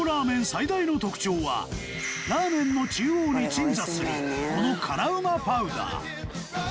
最大の特徴はラーメンの中央に鎮座するこの辛ウマパウダー